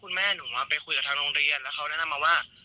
แม่หนูไปคุยกับทางโรงเรียนแล้วเขาแนะนำมาว่า